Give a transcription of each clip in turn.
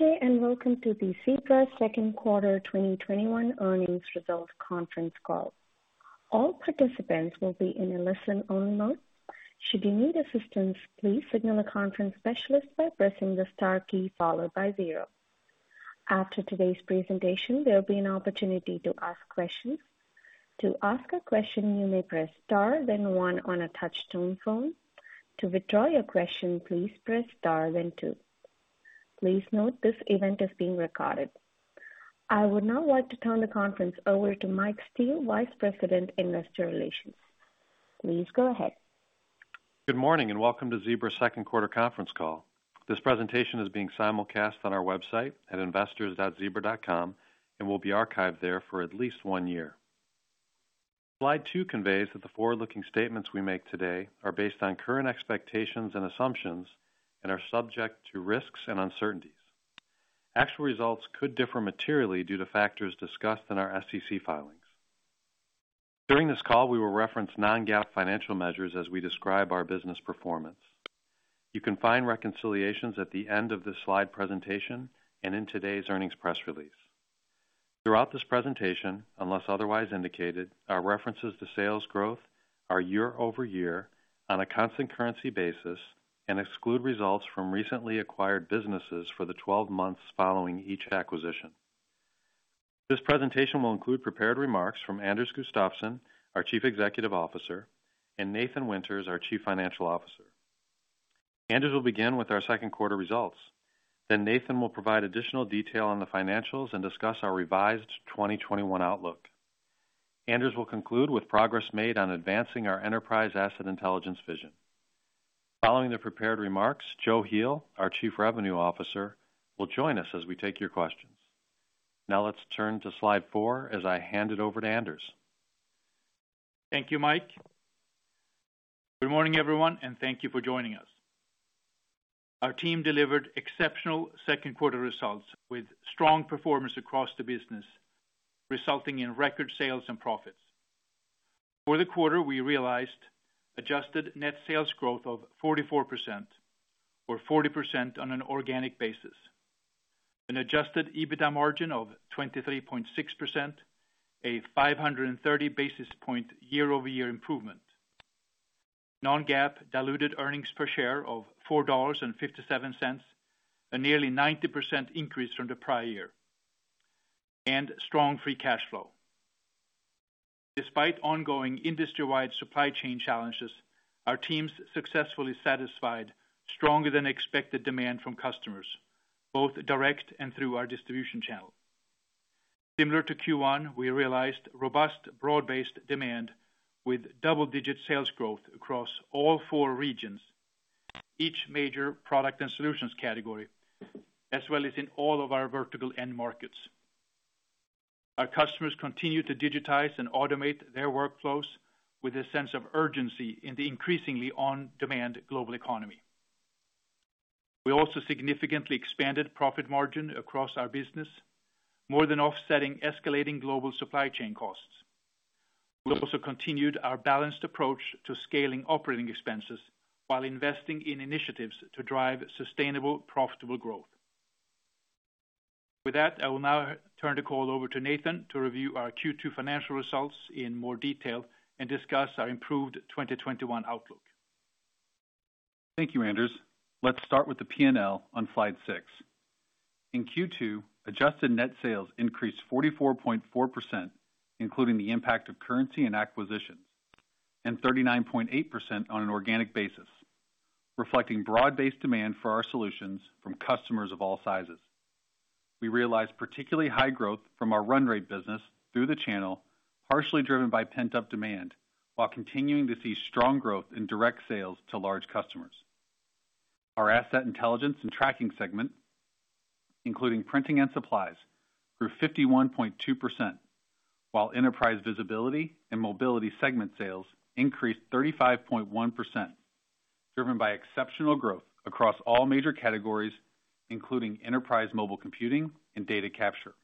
Good day. Welcome to the Zebra second quarter 2021 earnings results conference call. All participants will be in a listen-only mode. Should you need assistance, please signal a conference specialist by pressing the star key followed by zero. After today's presentation, there'll be an opportunity to ask questions. To ask a question, you may press star then one on a touchtone phone. To withdraw your question, please press star then two. Please note this event is being recorded. I would now like to turn the conference over to Mike Steele, Vice President, Investor Relations. Please go ahead. Good morning, welcome to Zebra second quarter conference call. This presentation is being simulcast on our website at investors.zebra.com and will be archived there for at least one year. Slide two conveys that the forward-looking statements we make today are based on current expectations and assumptions and are subject to risks and uncertainties. Actual results could differ materially due to factors discussed in our SEC filings. During this call, we will reference non-GAAP financial measures as we describe our business performance. You can find reconciliations at the end of this slide presentation and in today's earnings press release. Throughout this presentation, unless otherwise indicated, our references to sales growth are year-over-year on a constant currency basis and exclude results from recently acquired businesses for the 12 months following each acquisition. This presentation will include prepared remarks from Anders Gustafsson, our Chief Executive Officer, and Nathan Winters, our Chief Financial Officer. Anders will begin with our second quarter results, then Nathan will provide additional detail on the financials and discuss our revised 2021 outlook. Anders will conclude with progress made on advancing our Enterprise Asset Intelligence vision. Following the prepared remarks, Joe Heel, our Chief Revenue Officer, will join us as we take your questions. Now let's turn to slide four as I hand it over to Anders. Thank you, Mike. Good morning, everyone, and thank you for joining us. Our team delivered exceptional second quarter results with strong performance across the business, resulting in record sales and profits. For the quarter, we realized adjusted net sales growth of 44%, or 40% on an organic basis. An adjusted EBITDA margin of 23.6%, a 530 basis point year-over-year improvement. Non-GAAP diluted earnings per share of $4.57, a nearly 90% increase from the prior year, and strong free cash flow. Despite ongoing industry-wide supply chain challenges, our teams successfully satisfied stronger than expected demand from customers, both direct and through our distribution channel. Similar to Q1, we realized robust broad-based demand with double-digit sales growth across all four regions, each major product and solutions category, as well as in all of our vertical end markets. Our customers continue to digitize and automate their workflows with a sense of urgency in the increasingly on-demand global economy. We also significantly expanded profit margin across our business, more than offsetting escalating global supply chain costs. We also continued our balanced approach to scaling operating expenses while investing in initiatives to drive sustainable, profitable growth. With that, I will now turn the call over to Nathan to review our Q2 financial results in more detail and discuss our improved 2021 outlook. Thank you, Anders. Let's start with the P&L on slide six. In Q2, adjusted net sales increased 44.4%, including the impact of currency and acquisitions, and 39.8% on an organic basis, reflecting broad-based demand for our solutions from customers of all sizes. We realized particularly high growth from our run rate business through the channel, partially driven by pent-up demand, while continuing to see strong growth in direct sales to large customers. Our Asset Intelligence and tracking segment, including printing and supplies, grew 51.2%, while Enterprise Visibility and Mobility segment sales increased 35.1%, driven by exceptional growth across all major categories, including enterprise mobile computing and data capture.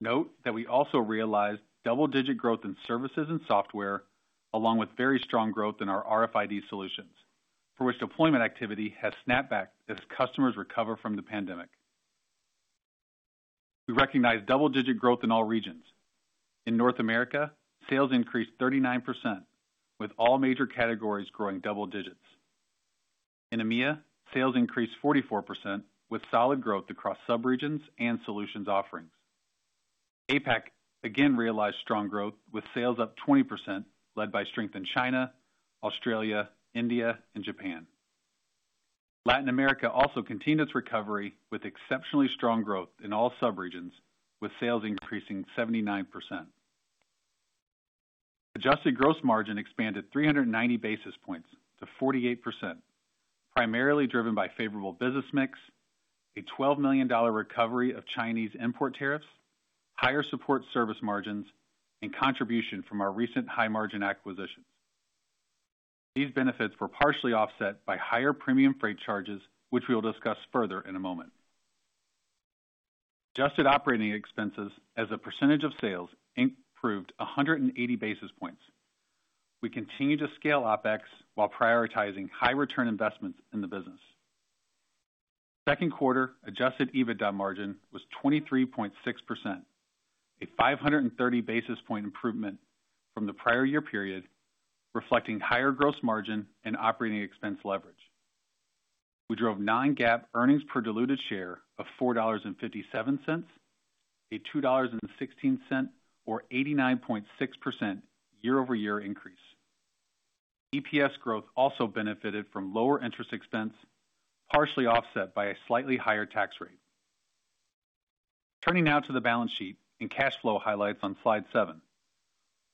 Note that we also realized double-digit growth in services and software, along with very strong growth in our RFID solutions, for which deployment activity has snapped back as customers recover from the pandemic. We recognized double-digit growth in all regions. In North America, sales increased 39%, with all major categories growing double-digits. In EMEA, sales increased 44%, with solid growth across sub-regions and solutions offerings. APAC again realized strong growth, with sales up 20%, led by strength in China, Australia, India, and Japan. Latin America also continued its recovery with exceptionally strong growth in all sub-regions, with sales increasing 79%. Adjusted gross margin expanded 390 basis points to 48%, primarily driven by favorable business mix, a $12 million recovery of Chinese import tariffs, higher support service margins, and contribution from our recent high-margin acquisitions. These benefits were partially offset by higher premium freight charges, which we will discuss further in a moment. Adjusted operating expenses as a percentage of sales improved 180 basis points. We continue to scale OpEx while prioritizing high return investments in the business. Second quarter adjusted EBITDA margin was 23.6%, a 530 basis point improvement from the prior year period, reflecting higher gross margin and operating expense leverage. We drove non-GAAP earnings per diluted share of $4.57, a $2.16 or 89.6% year-over-year increase. EPS growth also benefited from lower interest expense, partially offset by a slightly higher tax rate. Turning now to the balance sheet and cash flow highlights on slide seven.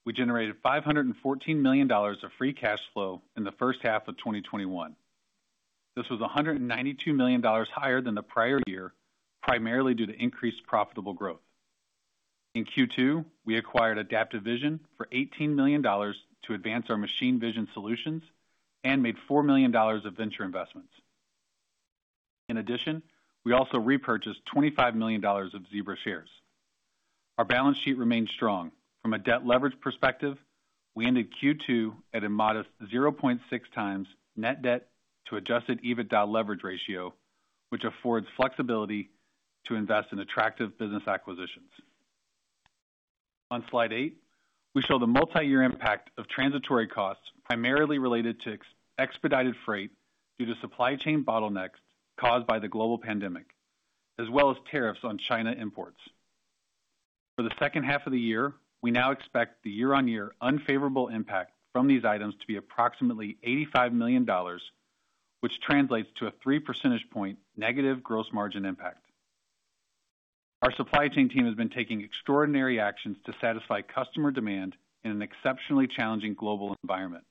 We generated $514 million of free cash flow in the first half of 2021. This was $192 million higher than the prior year, primarily due to increased profitable growth. In Q2, we acquired Adaptive Vision for $18 million to advance our machine vision solutions and made $4 million of venture investments. In addition, we also repurchased $25 million of Zebra shares. Our balance sheet remained strong. From a debt leverage perspective, we ended Q2 at a modest 0.6x net debt to adjusted EBITDA leverage ratio, which affords flexibility to invest in attractive business acquisitions. On slide eight, we show the multi-year impact of transitory costs primarily related to expedited freight due to supply chain bottlenecks caused by the global pandemic, as well as tariffs on China imports. For the second half of the year, we now expect the year-on-year unfavorable impact from these items to be approximately $85 million, which translates to a 3 percentage point negative gross margin impact. Our supply chain team has been taking extraordinary actions to satisfy customer demand in an exceptionally challenging global environment.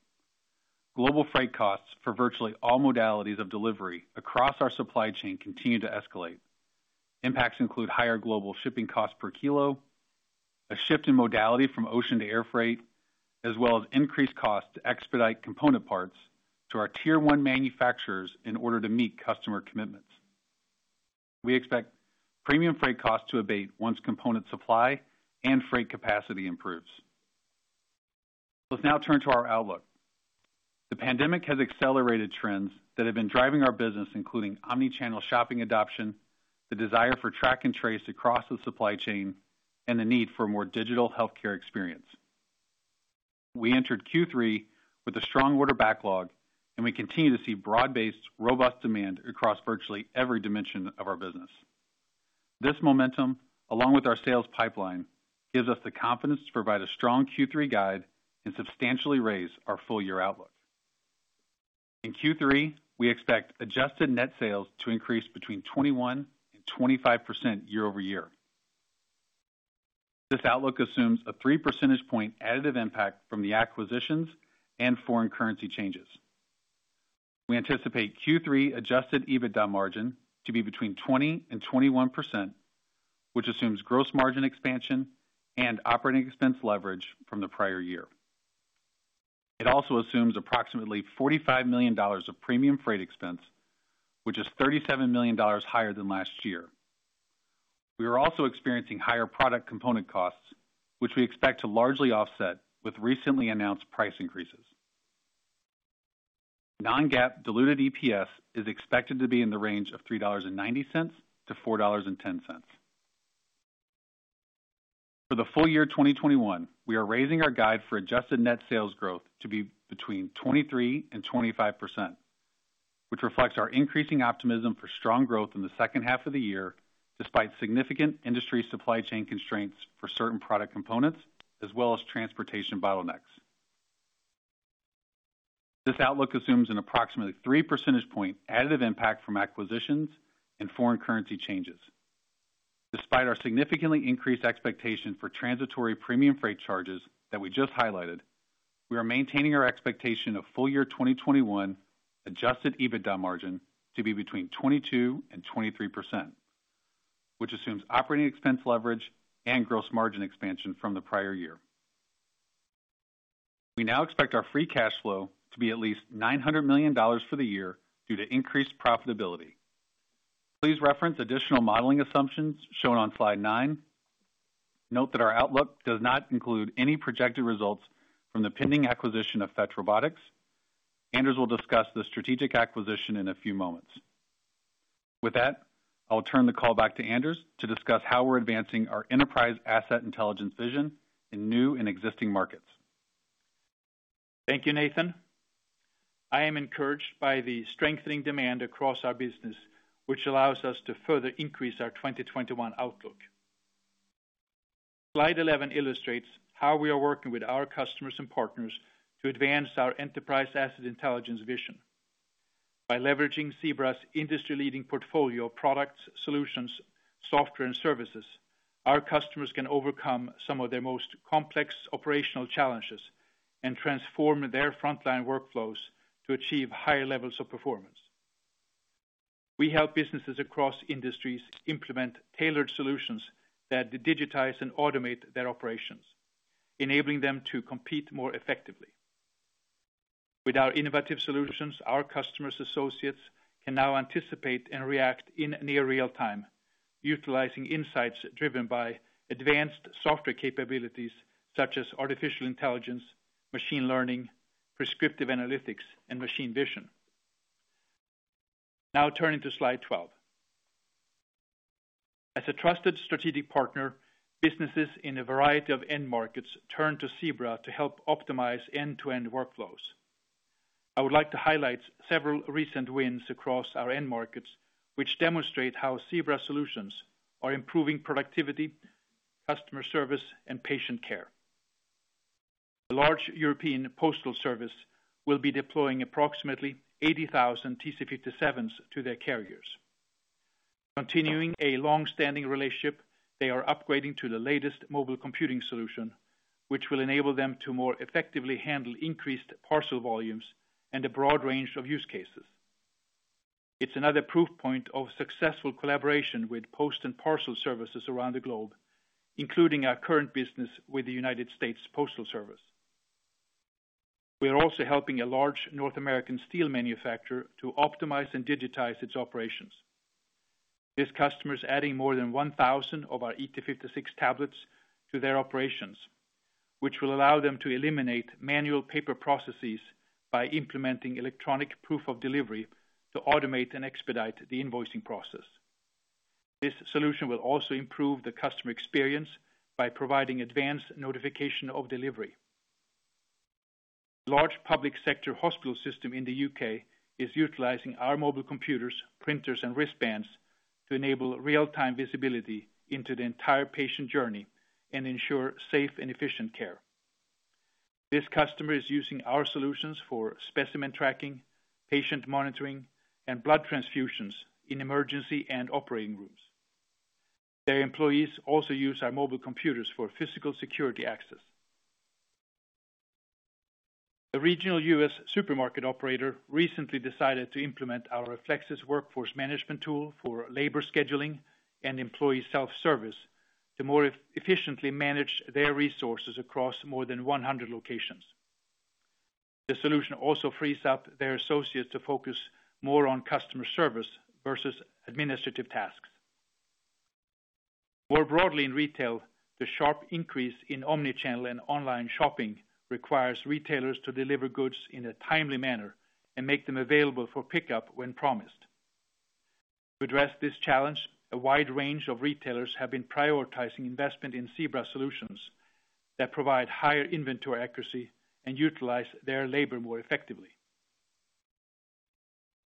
Global freight costs for virtually all modalities of delivery across our supply chain continue to escalate. Impacts include higher global shipping costs per kilo, a shift in modality from ocean to air freight, as well as increased cost to expedite component parts to our Tier 1 manufacturers in order to meet customer commitments. We expect premium freight costs to abate once component supply and freight capacity improves. Let's now turn to our outlook. The pandemic has accelerated trends that have been driving our business, including omni-channel shopping adoption, the desire for track and trace across the supply chain, and the need for a more digital healthcare experience. We entered Q3 with a strong order backlog, and we continue to see broad-based robust demand across virtually every dimension of our business. This momentum, along with our sales pipeline, gives us the confidence to provide a strong Q3 guide and substantially raise our full year outlook. In Q3, we expect adjusted net sales to increase between 21% and 25% year-over-year. This outlook assumes a 3 percentage point additive impact from the acquisitions and foreign currency changes. We anticipate Q3 adjusted EBITDA margin to be between 20% and 21%, which assumes gross margin expansion and operating expense leverage from the prior year. It also assumes approximately $45 million of premium freight expense, which is $37 million higher than last year. We are also experiencing higher product component costs, which we expect to largely offset with recently announced price increases. Non-GAAP diluted EPS is expected to be in the range of $3.90-$4.10. For the full year 2021, we are raising our guide for adjusted net sales growth to be between 23% and 25%, which reflects our increasing optimism for strong growth in the second half of the year, despite significant industry supply chain constraints for certain product components, as well as transportation bottlenecks. This outlook assumes an approximately 3 percentage point additive impact from acquisitions and foreign currency changes. Despite our significantly increased expectation for transitory premium freight charges that we just highlighted, we are maintaining our expectation of full year 2021 adjusted EBITDA margin to be between 22% and 23%, which assumes operating expense leverage and gross margin expansion from the prior year. We now expect our free cash flow to be at least $900 million for the year due to increased profitability. Please reference additional modeling assumptions shown on slide nine. Note that our outlook does not include any projected results from the pending acquisition of Fetch Robotics. Anders will discuss the strategic acquisition in a few moments. With that, I will turn the call back to Anders to discuss how we're advancing our Enterprise Asset Intelligence vision in new and existing markets. Thank you, Nathan. I am encouraged by the strengthening demand across our business, which allows us to further increase our 2021 outlook. Slide 11 illustrates how we are working with our customers and partners to advance our Enterprise Asset Intelligence vision. By leveraging Zebra's industry leading portfolio of products, solutions, software, and services, our customers can overcome some of their most complex operational challenges and transform their frontline workflows to achieve higher levels of performance. We help businesses across industries implement tailored solutions that digitize and automate their operations, enabling them to compete more effectively. With our innovative solutions, our customers' associates can now anticipate and react in near real-time, utilizing insights driven by advanced software capabilities such as artificial intelligence, machine learning, prescriptive analytics, and machine vision. Turning to slide 12. As a trusted strategic partner, businesses in a variety of end markets turn to Zebra to help optimize end-to-end workflows. I would like to highlight several recent wins across our end markets, which demonstrate how Zebra solutions are improving productivity, customer service, and patient care. A large European postal service will be deploying approximately 80,000 TC57s to their carriers. Continuing a long-standing relationship, they are upgrading to the latest mobile computing solution, which will enable them to more effectively handle increased parcel volumes and a broad range of use cases. It's another proof point of successful collaboration with post and parcel services around the globe, including our current business with the United States Postal Service. We are also helping a large North American steel manufacturer to optimize and digitize its operations. This customer is adding more than 1,000 of our ET56 tablets to their operations, which will allow them to eliminate manual paper processes by implementing electronic proof of delivery to automate and expedite the invoicing process. This solution will also improve the customer experience by providing advanced notification of delivery. A large public sector hospital system in the U.K. is utilizing our mobile computers, printers, and wristbands to enable real-time visibility into the entire patient journey and ensure safe and efficient care. This customer is using our solutions for specimen tracking, patient monitoring, and blood transfusions in emergency and operating rooms. Their employees also use our mobile computers for physical security access. A regional U.S. supermarket operator recently decided to implement our Reflexis workforce management tool for labor scheduling and employee self-service to more efficiently manage their resources across more than 100 locations. The solution also frees up their associates to focus more on customer service versus administrative tasks. More broadly in retail, the sharp increase in omni-channel and online shopping requires retailers to deliver goods in a timely manner and make them available for pickup when promised. To address this challenge, a wide range of retailers have been prioritizing investment in Zebra solutions that provide higher inventory accuracy and utilize their labor more effectively.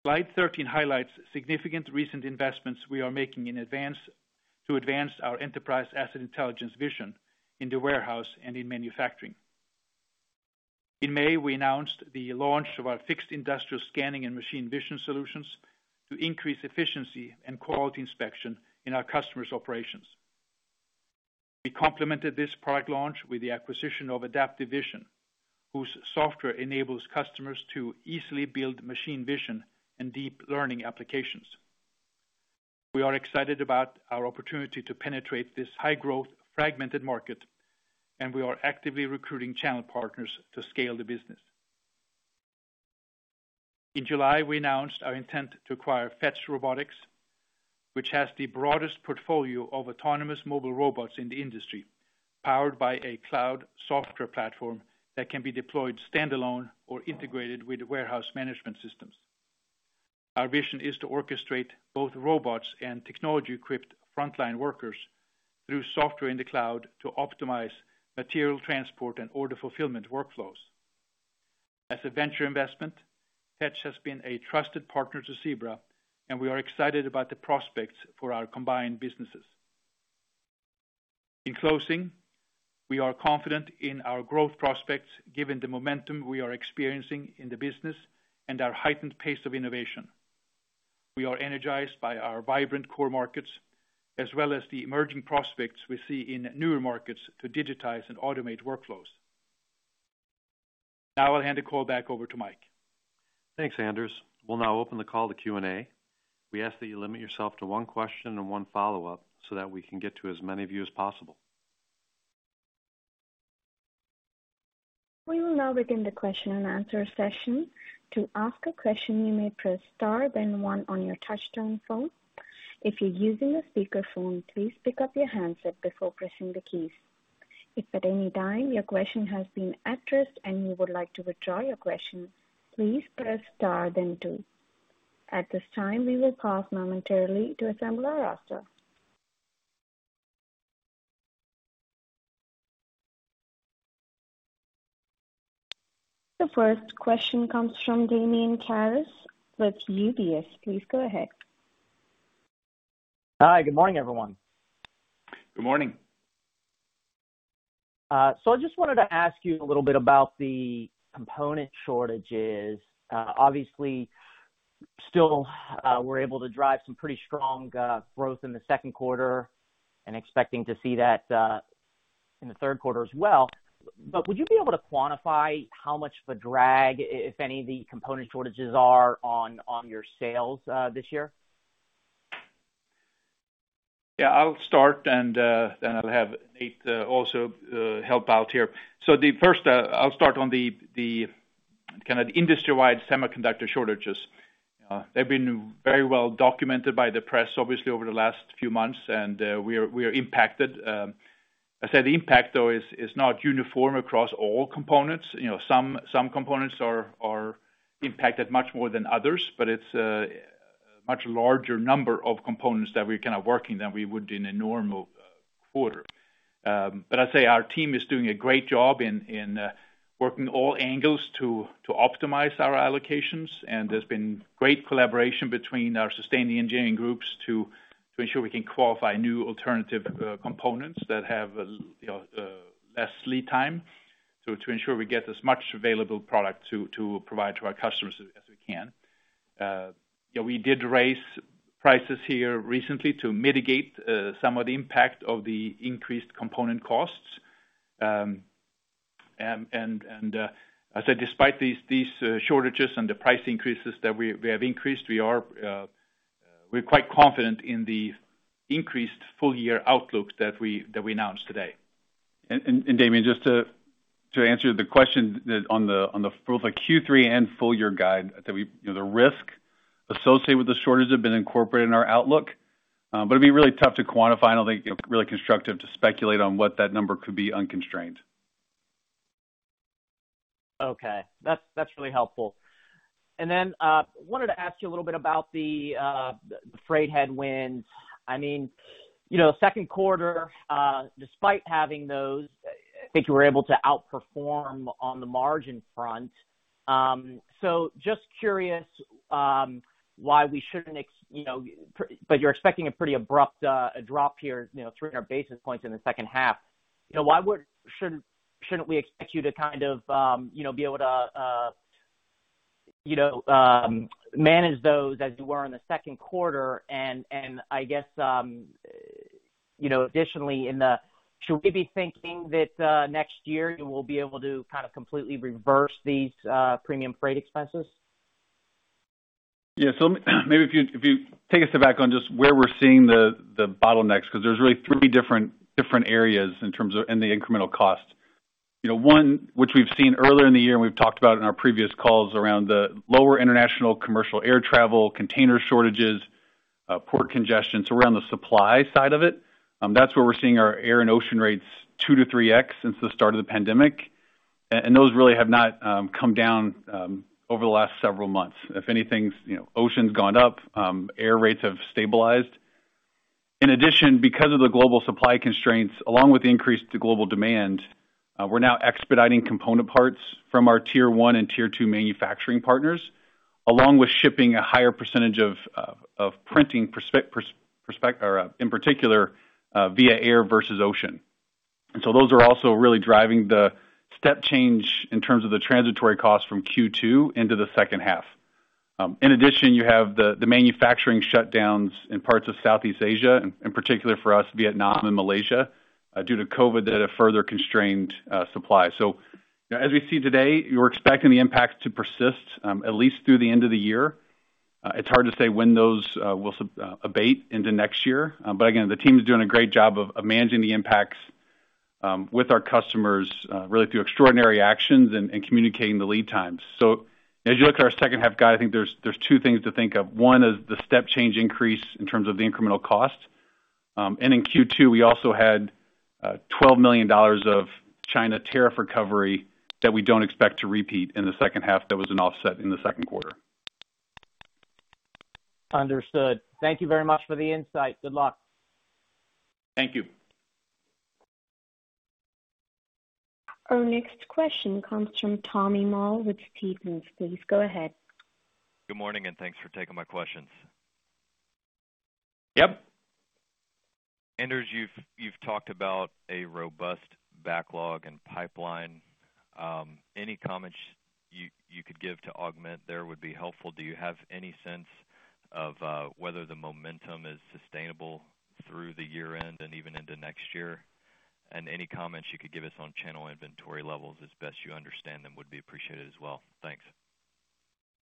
Slide 13 highlights significant recent investments we are making to advance our Enterprise Asset Intelligence vision in the warehouse and in manufacturing. In May, we announced the launch of our fixed industrial scanning and machine vision solutions to increase efficiency and quality inspection in our customers' operations. We complemented this product launch with the acquisition of Adaptive Vision, whose software enables customers to easily build machine vision and deep learning applications. We are excited about our opportunity to penetrate this high-growth, fragmented market. We are actively recruiting channel partners to scale the business. In July, we announced our intent to acquire Fetch Robotics, which has the broadest portfolio of autonomous mobile robots in the industry, powered by a cloud software platform that can be deployed standalone or integrated with warehouse management systems. Our vision is to orchestrate both robots and technology-equipped frontline workers through software in the cloud to optimize material transport and order fulfillment workflows. As a venture investment, Fetch has been a trusted partner to Zebra. We are excited about the prospects for our combined businesses. In closing, we are confident in our growth prospects given the momentum we are experiencing in the business and our heightened pace of innovation. We are energized by our vibrant core markets as well as the emerging prospects we see in newer markets to digitize and automate workflows. I'll hand the call back over to Mike. Thanks, Anders. We'll now open the call to Q&A. We ask that you limit yourself to one question and one follow-up so that we can get to as many of you as possible. We will now begin the question-and-answer session. To ask a question, you may press star then one on your touchtone phone. If you're using a speakerphone, please pick up your handset before pressing the keys. If at any time your question has been addressed and you would like to withdraw your question, please press star then two. At this time, we will pause momentarily to assemble our roster. The first question comes from Damian Karas with UBS. Please go ahead. Hi, good morning, everyone. Good morning. I just wanted to ask you a little bit about the component shortages. Obviously, still we're able to drive some pretty strong growth in the second quarter and expecting to see that in the third quarter as well. Would you be able to quantify how much of a drag, if any, the component shortages are on your sales this year? Yeah, I'll start, and then I'll have Nate also help out here. First, I'll start on the kind of industry-wide semiconductor shortages. They've been very well documented by the press, obviously, over the last few months, and we are impacted. I'd say the impact, though, is not uniform across all components. Some components are impacted much more than others, but it's a much larger number of components that we're kind of working than we would in a normal quarter. I'd say our team is doing a great job in working all angles to optimize our allocations, and there's been great collaboration between our sustaining engineering groups to ensure we can qualify new alternative components that have less lead time. To ensure we get as much available product to provide to our customers as we can. We did raise prices here recently to mitigate some of the impact of the increased component costs. I'd say despite these shortages and the price increases that we have increased, we're quite confident in the increased full-year outlook that we announced today. Damian, just to answer the question on both the Q3 and full-year guide, the risk associated with the shortage have been incorporated in our outlook. It'd be really tough to quantify, and I think really constructive to speculate on what that number could be unconstrained. Okay. That's really helpful. Wanted to ask you a little bit about the freight headwinds. I mean, second quarter, despite having those, I think you were able to outperform on the margin front. Just curious why we shouldn't but you're expecting a pretty abrupt drop here, 300 basis points in the second half. Shouldn't we expect you to kind of be able to manage those as you were in the second quarter, and I guess additionally, should we be thinking that next year you will be able to kind of completely reverse these premium freight expenses? Yeah. Maybe if you take a step back on just where we're seeing the bottlenecks, because there's really three different areas in terms of, and the incremental cost. One, which we've seen earlier in the year, and we've talked about in our previous calls around the lower international commercial air travel, container shortages, port congestion. We're on the supply side of it. That's where we're seeing our air and ocean rates 2x-3x since the start of the pandemic. Those really have not come down over the last several months. If anything, ocean's gone up, air rates have stabilized. In addition, because of the global supply constraints, along with the increase to global demand, we're now expediting component parts from our Tier 1 and Tier 2 manufacturing partners, along with shipping a higher percentage of printing in particular via air versus ocean. Those are also really driving the step change in terms of the transitory cost from Q2 into the second half. You have the manufacturing shutdowns in parts of Southeast Asia, in particular for us, Vietnam and Malaysia, due to COVID that have further constrained supply. As we see today, we're expecting the impact to persist at least through the end of the year. It's hard to say when those will abate into next year. The team is doing a great job of managing the impacts with our customers really through extraordinary actions and communicating the lead times. As you look at our second half guide, I think there's two things to think of. One is the step change increase in terms of the incremental cost. In Q2, we also had $12 million of China tariff recovery that we don't expect to repeat in the second half that was an offset in the second quarter. Understood. Thank you very much for the insight. Good luck. Thank you. Our next question comes from Tommy Moll with Stephens. Please go ahead. Good morning, and thanks for taking my questions. Yep. Anders, you've talked about a robust backlog and pipeline. Any comments you could give to augment there would be helpful. Do you have any sense of whether the momentum is sustainable through the year-end and even into next year? Any comments you could give us on channel inventory levels as best you understand them would be appreciated as well. Thanks.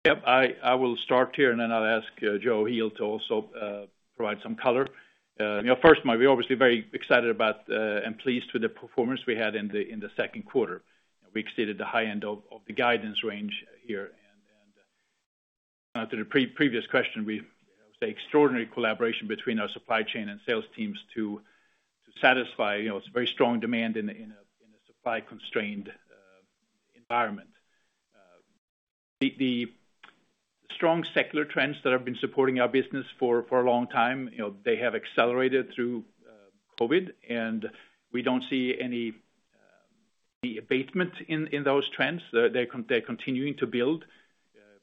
Yep. I will start here, and then I'll ask Joe Heel to also provide some color. First, we're obviously very excited about and pleased with the performance we had in the second quarter. We exceeded the high end of the guidance range here. To the previous question, with the extraordinary collaboration between our supply chain and sales teams to satisfy a very strong demand in a supply-constrained environment. The strong secular trends that have been supporting our business for a long time, they have accelerated through COVID, and we don't see any abatement in those trends. They're continuing to build.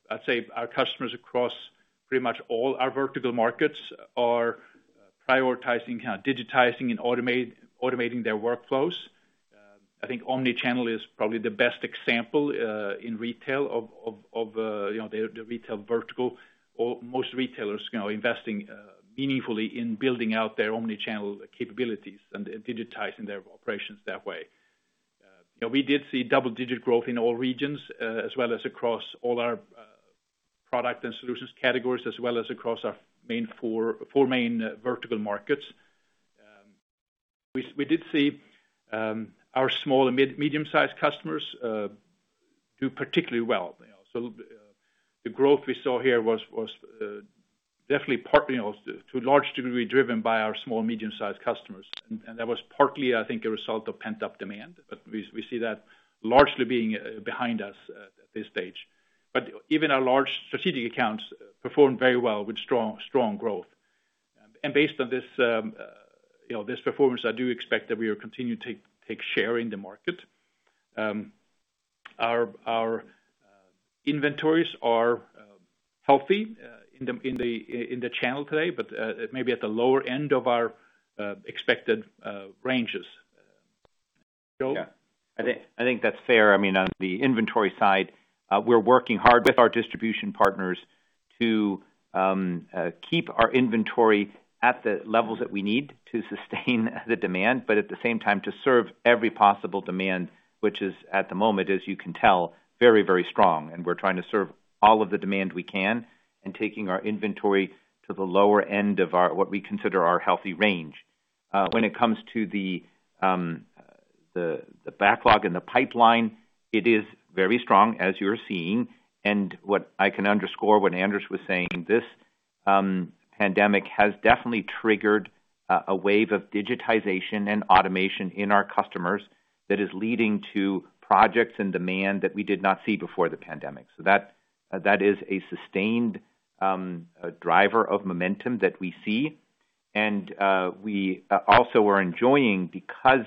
I'd say our customers across pretty much all our vertical markets are prioritizing kind of digitizing and automating their workflows. I think omni-channel is probably the best example in retail of the retail vertical, or most retailers investing meaningfully in building out their omni-channel capabilities and digitizing their operations that way. We did see double-digit growth in all regions as well as across all our product and solutions categories, as well as across our four main vertical markets. We did see our small and medium-sized customers do particularly well. The growth we saw here was definitely partly, to a large degree, driven by our small and medium-sized customers. That was partly, I think, a result of pent-up demand. We see that largely being behind us at this stage. Even our large strategic accounts performed very well with strong growth. Based on this performance, I do expect that we will continue to take share in the market. Our inventories are healthy in the channel today, but maybe at the lower end of our expected ranges. Joe? Yeah, I think that's fair. On the inventory side, we're working hard with our distribution partners to keep our inventory at the levels that we need to sustain the demand, but at the same time, to serve every possible demand, which is at the moment, as you can tell, very, very strong. We're trying to serve all of the demand we can, and taking our inventory to the lower end of what we consider our healthy range. When it comes to the backlog and the pipeline, it is very strong as you're seeing, and what I can underscore what Anders was saying, this pandemic has definitely triggered a wave of digitization and automation in our customers that is leading to projects and demand that we did not see before the pandemic. That is a sustained driver of momentum that we see. We also are enjoying, because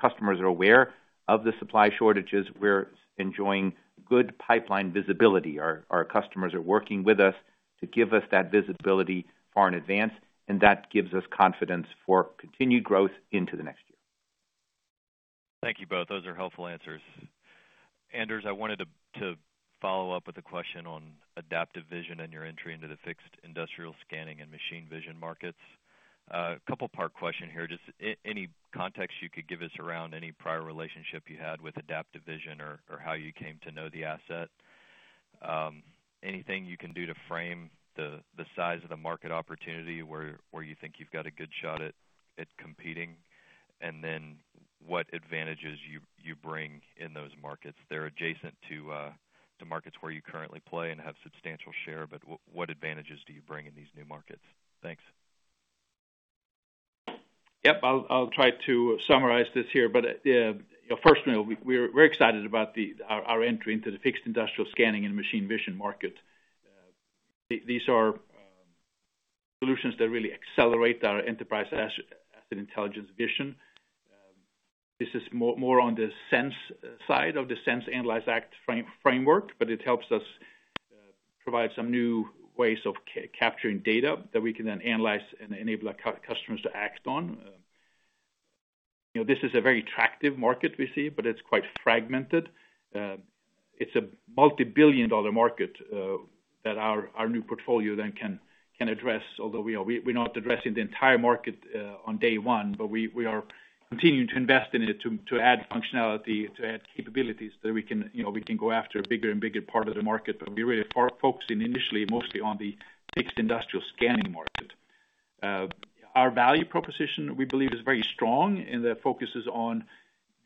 customers are aware of the supply shortages, we're enjoying good pipeline visibility. Our customers are working with us to give us that visibility far in advance, and that gives us confidence for continued growth into the next year. Thank you both. Those are helpful answers. Anders, I wanted to follow up with a question on Adaptive Vision and your entry into the fixed industrial scanning and machine vision markets. A couple part question here, just any context you could give us around any prior relationship you had with Adaptive Vision or how you came to know the asset? Anything you can do to frame the size of the market opportunity where you think you've got a good shot at competing, and then what advantages you bring in those markets? They're adjacent to markets where you currently play and have substantial share, but what advantages do you bring in these new markets? Thanks. Yep, I'll try to summarize this here. Firstly, we're excited about our entry into the fixed industrial scanning and machine vision market. These are solutions that really accelerate our Enterprise Asset Intelligence vision. This is more on the sense side of the Sense, Analyze, Act framework, but it helps us provide some new ways of capturing data that we can then analyze and enable our customers to act on. This is a very attractive market we see, but it's quite fragmented. It's a multi-billion dollar market that our new portfolio then can address. Although we're not addressing the entire market on day one, but we are continuing to invest in it to add functionality, to add capabilities that we can go after a bigger and bigger part of the market. We're really focusing initially, mostly on the fixed industrial scanning market. Our value proposition, we believe is very strong, and the focus is on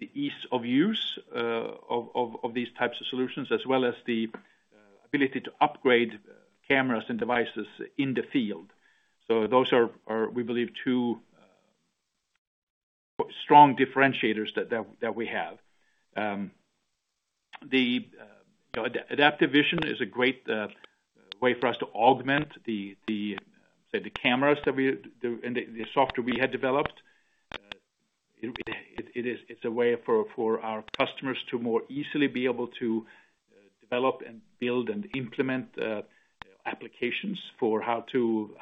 the ease of use of these types of solutions, as well as the ability to upgrade cameras and devices in the field. Those are, we believe, two strong differentiators that we have. Adaptive Vision is a great way for us to augment the cameras and the software we had developed. It's a way for our customers to more easily be able to develop and build and implement applications for how to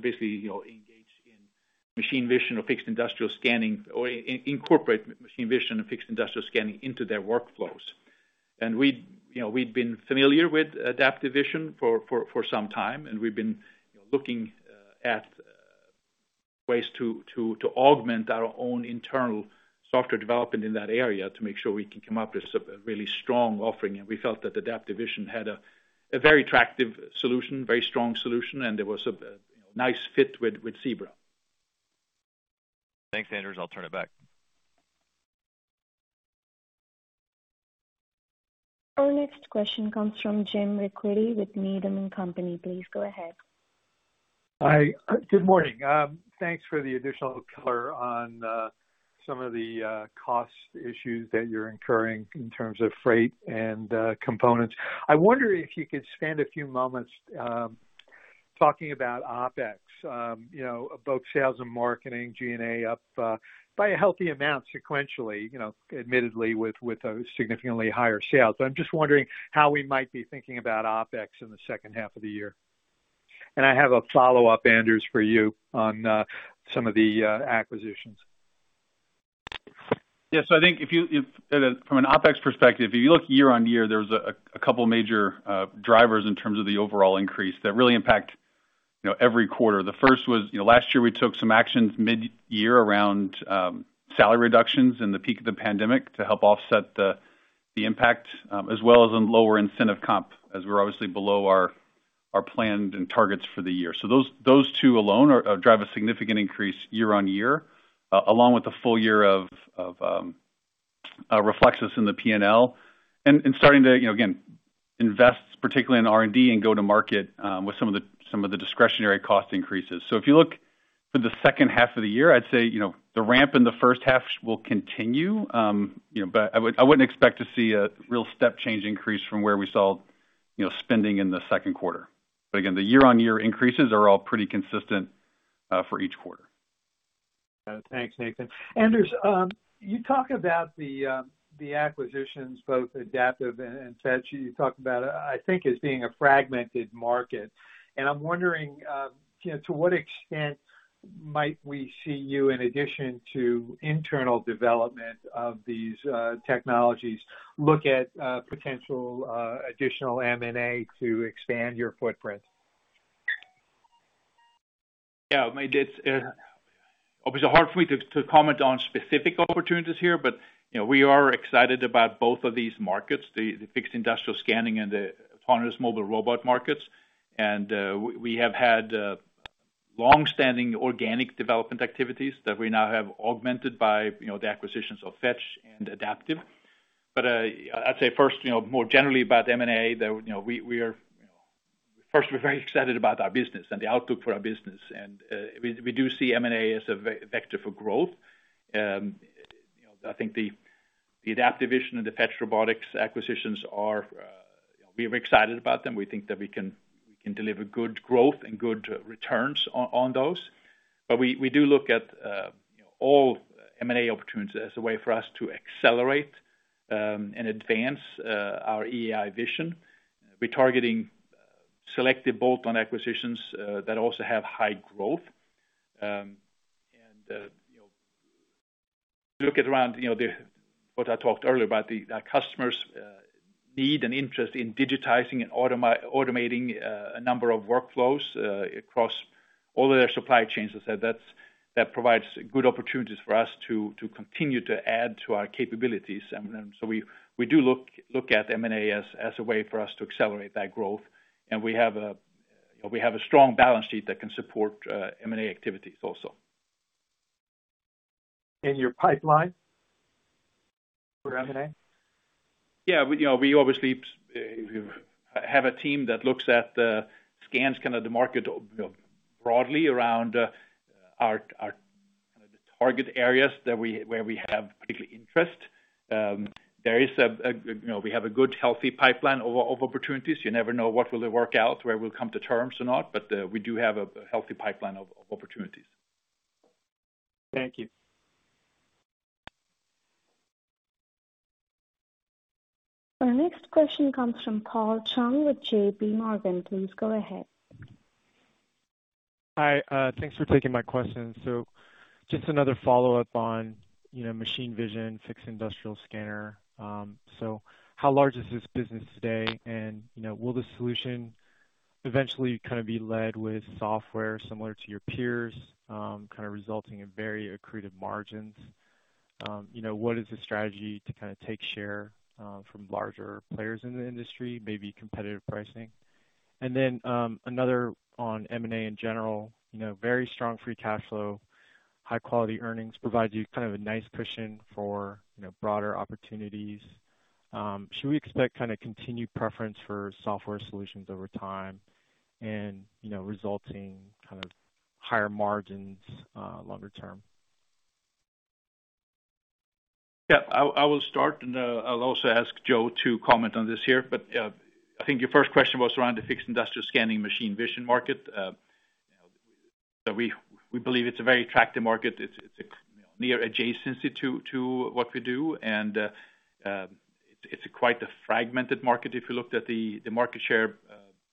basically engage in machine vision or fixed industrial scanning, or incorporate machine vision and fixed industrial scanning into their workflows. We'd been familiar with Adaptive Vision for some time, and we've been looking at ways to augment our own internal software development in that area to make sure we can come up with a really strong offering. We felt that Adaptive Vision had a very attractive solution, very strong solution, and it was a nice fit with Zebra. Thanks, Anders. I'll turn it back. Our next question comes from James Ricchiuti with Needham & Company. Please go ahead. Hi. Good morning. Thanks for the additional color on some of the cost issues that you're incurring in terms of freight and components. I wonder if you could spend a few moments talking about OpEx, about sales and marketing, G&A up by a healthy amount sequentially, admittedly with those significantly higher sales. I'm just wondering how we might be thinking about OpEx in the second half of the year. I have a follow-up, Anders, for you on some of the acquisitions. Yeah. I think from an OpEx perspective, if you look year-over-year, there was a couple major drivers in terms of the overall increase that really impact. You know, every quarter. The first was, last year we took some actions mid-year around salary reductions in the peak of the pandemic to help offset the impact, as well as in lower incentive comp, as we're obviously below our planned targets for the year. Those two alone drive a significant increase year-on-year, along with the full year of Reflexis in the P&L and starting to, again, invest particularly in R&D and go-to-market with some of the discretionary cost increases. If you look for the second half of the year, I'd say, the ramp in the first half will continue. I wouldn't expect to see a real step change increase from where we saw spending in the second quarter. Again, the year-on-year increases are all pretty consistent for each quarter. Thanks, Nathan. Anders, you talk about the acquisitions, both Adaptive and Fetch. You talked about it, I think, as being a fragmented market. I'm wondering, to what extent might we see you, in addition to internal development of these technologies, look at potential additional M&A to expand your footprint? Yeah. It's obviously hard for me to comment on specific opportunities here, we are excited about both of these markets, the fixed industrial scanning and the autonomous mobile robot markets. We have had long-standing organic development activities that we now have augmented by the acquisitions of Fetch and Adaptive. I'd say first, more generally about M&A, first, we're very excited about our business and the outlook for our business. We do see M&A as a vector for growth. I think the Adaptive Vision and the Fetch Robotics acquisitions are, we are excited about them. We think that we can deliver good growth and good returns on those. We do look at all M&A opportunities as a way for us to accelerate and advance our EAI vision. We're targeting selective bolt-on acquisitions that also have high growth. If you look at around what I talked earlier about the customers' need and interest in digitizing and automating a number of workflows across all their supply chains, I said that provides good opportunities for us to continue to add to our capabilities. We do look at M&A as a way for us to accelerate that growth. We have a strong balance sheet that can support M&A activities also. In your pipeline for M&A? We obviously have a team that looks at the scans, kind of the market broadly around our target areas where we have particular interest. We have a good, healthy pipeline of opportunities. You never know what will work out, where we'll come to terms or not. We do have a healthy pipeline of opportunities. Thank you. Our next question comes from Paul Chung with JPMorgan. Please go ahead. Hi. Thanks for taking my question. Just another follow-up on machine vision, fixed industrial scanner. How large is this business today? Will the solution eventually kind of be led with software similar to your peers, kind of resulting in very accretive margins? What is the strategy to kind of take share from larger players in the industry, maybe competitive pricing? Then, another on M&A in general. Very strong free cash flow, high-quality earnings provides you kind of a nice cushion for broader opportunities. Should we expect kind of continued preference for software solutions over time and resulting kind of higher margins longer term? Yeah, I will start, and I'll also ask Joe to comment on this here. I think your first question was around the fixed industrial scanning machine vision market. We believe it's a very attractive market. It's a near adjacency to what we do, and it's quite a fragmented market. If you looked at the market share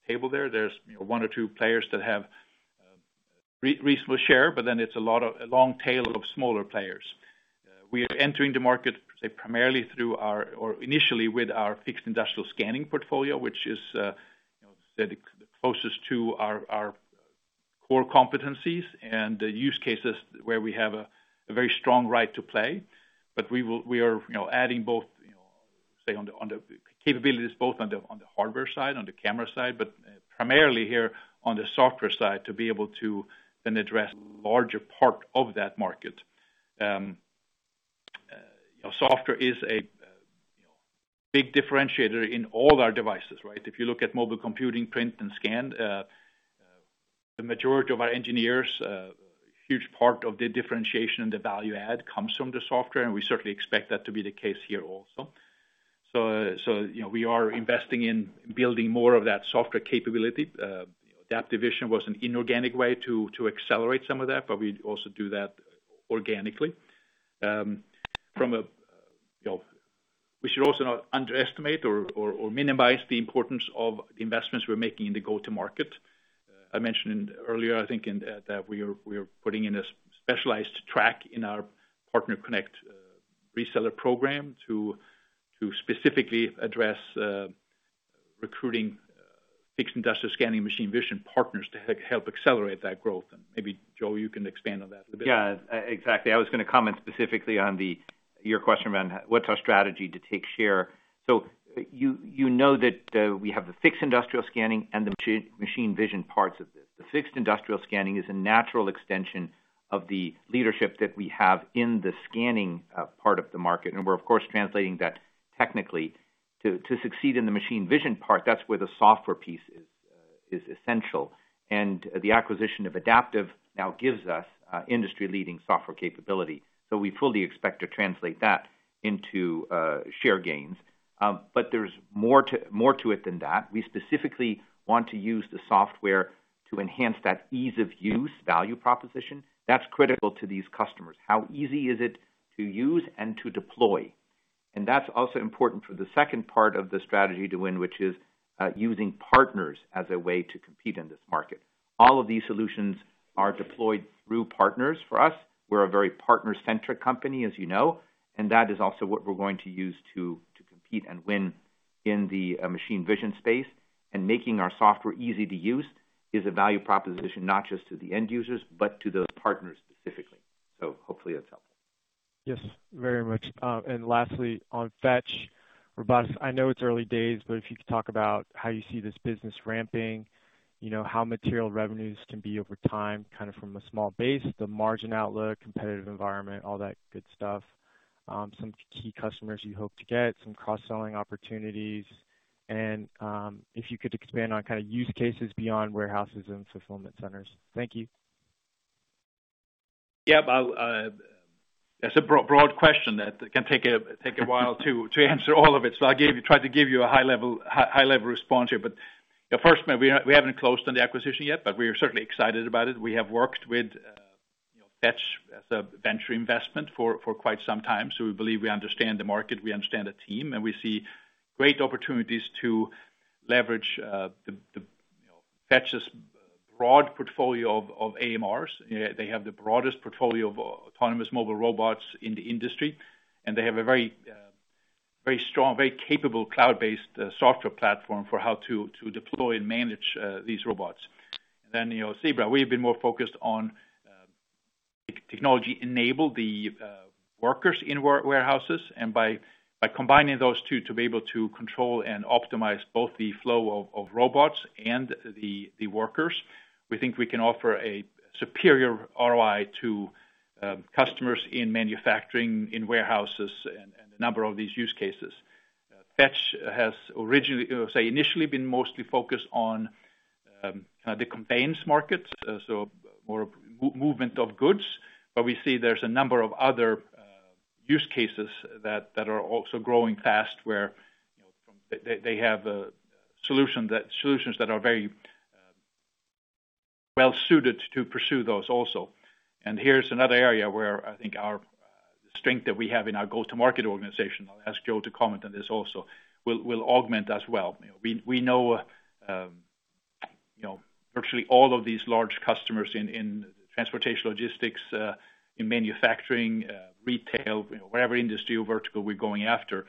table there's one or two players that have reasonable share, but then it's a long tail of smaller players. We are entering the market, say, primarily through or initially with our fixed industrial scanning portfolio, which is the closest to our core competencies and the use cases where we have a very strong right to play. We are adding both, say, on the capabilities, both on the hardware side, on the camera side, but primarily here on the software side to be able to then address larger part of that market. Software is a big differentiator in all our devices, right? If you look at mobile computing, print, and scan, the majority of our engineers, a huge part of the differentiation and the value add comes from the software, and we certainly expect that to be the case here also. We are investing in building more of that software capability. Adaptive Vision was an inorganic way to accelerate some of that, but we also do that organically. We should also not underestimate or minimize the importance of the investments we're making in the go-to-market. I mentioned earlier, I think, that we are putting in a specialized track in our PartnerConnect reseller programme to specifically address recruiting fixed industrial scanning machine vision partners to help accelerate that growth. Maybe, Joe, you can expand on that a bit. Yeah, exactly. I was going to comment specifically on your question around what's our strategy to take share. You know that we have the fixed industrial scanning and the machine vision parts of this. The fixed industrial scanning is a natural extension of the leadership that we have in the scanning part of the market, and we're of course, translating that technically to succeed in the machine vision part. That's where the software piece is essential. The acquisition of Adaptive now gives us industry-leading software capability. We fully expect to translate that into share gains. There's more to it than that. We specifically want to use the software to enhance that ease-of-use value proposition. That's critical to these customers. How easy is it to use and to deploy? That's also important for the second part of the strategy to win, which is using partners as a way to compete in this market. All of these solutions are deployed through partners for us. We're a very partner-centric company, as you know, and that is also what we're going to use to compete and win in the machine vision space. Making our software easy to use is a value proposition not just to the end users, but to those partners specifically. Hopefully that's helpful. Yes, very much. Lastly, on Fetch Robotics, I know it's early days, but if you could talk about how you see this business ramping, how material revenues can be over time, kind of from a small base, the margin outlook, competitive environment, all that good stuff. Some key customers you hope to get, some cross-selling opportunities, and if you could expand on kind of use cases beyond warehouses and fulfillment centers. Thank you. Yeah. That's a broad question that can take a while to answer all of it. I try to give you a high-level response here. First, we haven't closed on the acquisition yet, but we are certainly excited about it. We have worked with Fetch as a venture investment for quite some time. We believe we understand the market, we understand the team, and we see great opportunities to leverage Fetch's broad portfolio of AMRs. They have the broadest portfolio of autonomous mobile robots in the industry, and they have a very strong, very capable cloud-based software platform for how to deploy and manage these robots. Zebra, we have been more focused on technology-enabled workers in warehouses. By combining those two to be able to control and optimize both the flow of robots and the workers, we think we can offer a superior ROI to customers in manufacturing, in warehouses, and a number of these use cases. Fetch has initially been mostly focused on the conveyance market, so more movement of goods. We see there's a number of other use cases that are also growing fast, where they have solutions that are very well-suited to pursue those also. Here's another area where I think our strength that we have in our go-to-market organization, I'll ask Joe to comment on this also, will augment as well. We know virtually all of these large customers in transportation, logistics in manufacturing, retail, whatever industry or vertical we're going after.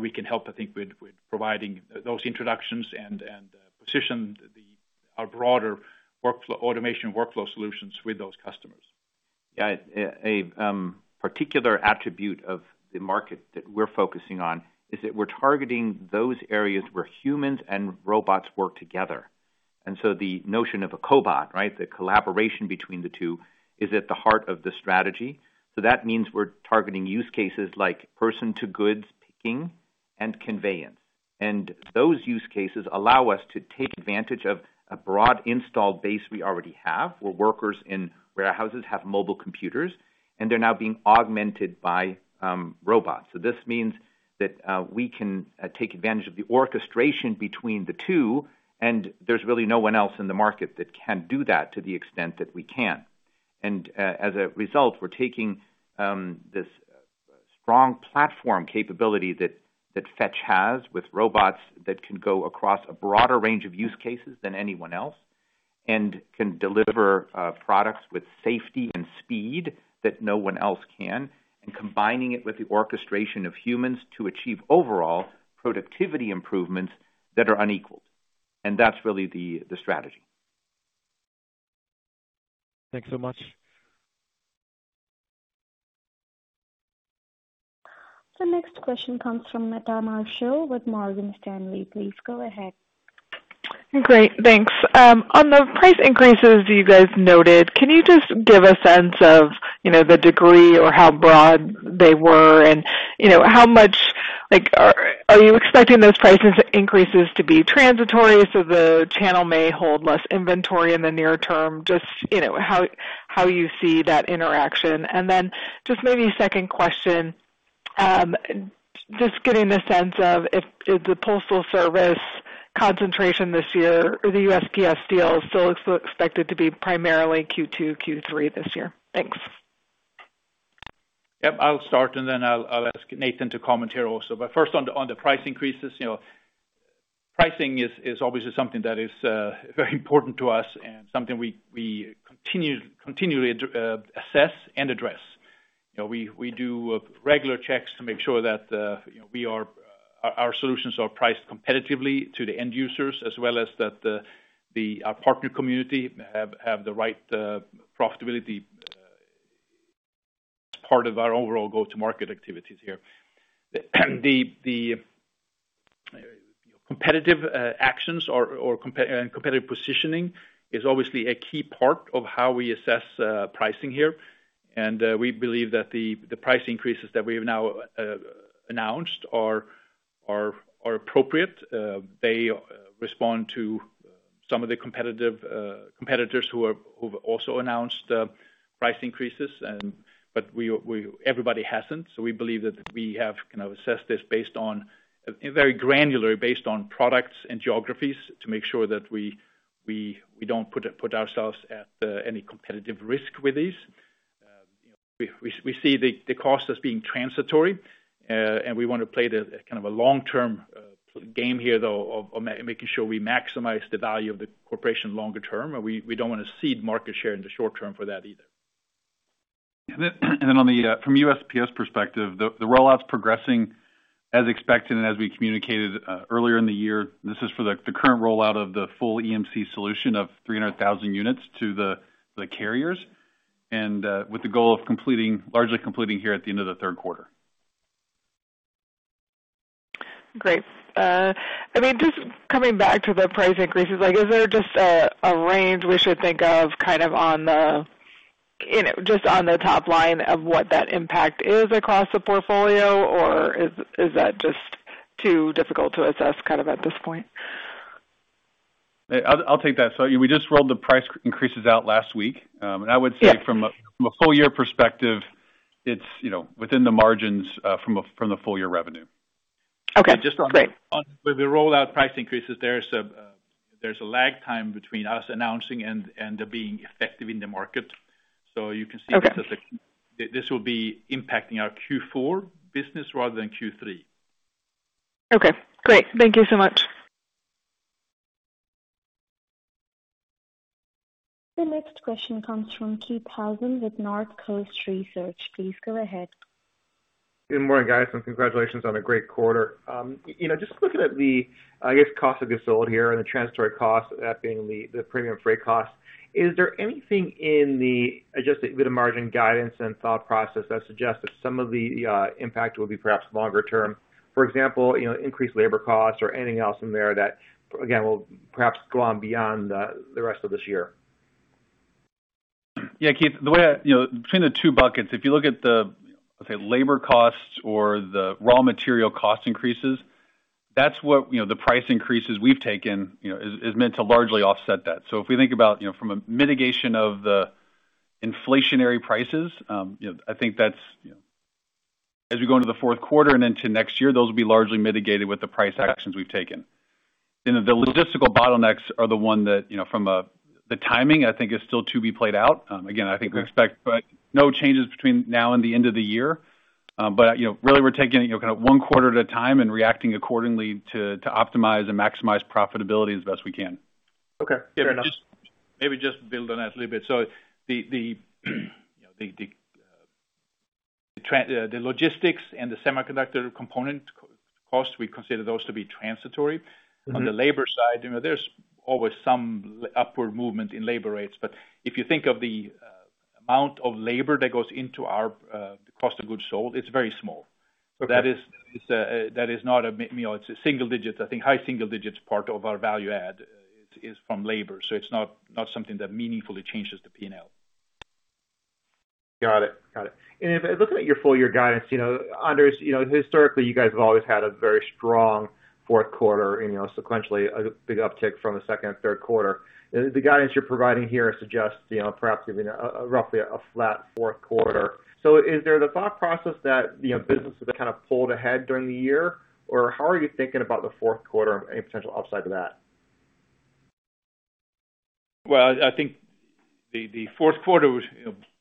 We can help, I think, with providing those introductions and position our broader automation workflow solutions with those customers. Yeah. A particular attribute of the market that we're focusing on is that we're targeting those areas where humans and robots work together. The notion of a cobot, right, the collaboration between the two is at the heart of the strategy. Those use cases allow us to take advantage of a broad installed base we already have, where workers in warehouses have mobile computers, and they're now being augmented by robots. This means that we can take advantage of the orchestration between the two, and there's really no one else in the market that can do that to the extent that we can. As a result, we're taking this strong platform capability that Fetch has with robots that can go across a broader range of use cases than anyone else and can deliver products with safety and speed that no one else can, and combining it with the orchestration of humans to achieve overall productivity improvements that are unequaled. That's really the strategy. Thanks so much. The next question comes from Meta Marshall with Morgan Stanley. Please go ahead. Great, thanks. On the price increases you guys noted, can you just give a sense of the degree or how broad they were and how much are you expecting those price increases to be transitory so the channel may hold less inventory in the near term? Just how you see that interaction. Just maybe a second question, just getting a sense of if the Postal Service concentration this year or the USPS deal still expected to be primarily Q2, Q3 this year. Thanks. Yep, I'll start and then I'll ask Nathan to comment here also. First, on the price increases. Pricing is obviously something that is very important to us and something we continually assess and address. We do regular checks to make sure that our solutions are priced competitively to the end users as well as that our partner community have the right profitability as part of our overall go-to-market activities here. The competitive actions or competitive positioning is obviously a key part of how we assess pricing here. We believe that the price increases that we've now announced are appropriate. They respond to some of the competitors who've also announced price increases, but everybody hasn't. We believe that we have assessed this based on, very granularly, based on products and geographies to make sure that we don't put ourselves at any competitive risk with these. We see the cost as being transitory, and we want to play kind of a long-term game here, though, of making sure we maximize the value of the corporation longer term. We don't want to cede market share in the short term for that either. From USPS perspective, the rollout's progressing as expected and as we communicated earlier in the year. This is for the current rollout of the full EMC solution of 300,000 units to the carriers, and with the goal of largely completing here at the end of the third quarter. Great. Just coming back to the price increases, is there just a range we should think of kind of just on the top line of what that impact is across the portfolio, or is that just too difficult to assess kind of at this point? I'll take that. We just rolled the price increases out last week. I would say from a full year perspective, it's within the margins from the full year revenue. Okay, great. With the rollout price increases, there's a lag time between us announcing and being effective in the market. Okay. You can see that this will be impacting our Q4 business rather than Q3. Okay, great. Thank you so much. The next question comes from Keith Housum with Northcoast Research. Please go ahead. Good morning, guys, and congratulations on a great quarter. Just looking at the, I guess, cost of goods sold here and the transitory cost, that being the premium freight cost, is there anything in the adjusted EBITDA margin guidance and thought process that suggests that some of the impact will be perhaps longer term? For example, increased labor costs or anything else in there that, again, will perhaps go on beyond the rest of this year? Keith, between the two buckets, if you look at the, let's say, labor costs or the raw material cost increases, that's what the price increases we've taken is meant to largely offset that. If we think about from a mitigation of the inflationary prices, I think as we go into the fourth quarter and into next year, those will be largely mitigated with the price actions we've taken. The logistical bottlenecks are the one that from the timing, I think is still to be played out. Again, I think we expect no changes between now and the end of the year. Really we're taking kind of one quarter at a time and reacting accordingly to optimize and maximize profitability as best we can. Okay, fair enough. Maybe just to build on that a little bit. The logistics and the semiconductor component cost, we consider those to be transitory. On the labor side, there's always some upward movement in labor rates, but if you think of the amount of labor that goes into our cost of goods sold, it's very small. Okay. It's single-digits. I think high single-digits part of our value add is from labor. It's not something that meaningfully changes the P&L. Got it. Looking at your full year guidance, Anders, historically, you guys have always had a very strong fourth quarter, sequentially a big uptick from the second and third quarter. The guidance you're providing here suggests perhaps even roughly a flat fourth quarter. Is there the thought process that businesses are kind of pulled ahead during the year? Or how are you thinking about the fourth quarter and any potential upside to that? Well, I think the